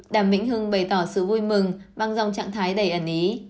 đàm vĩnh hưng bày tỏ sự vui mừng bằng dòng trạng thái đầy ẩn ý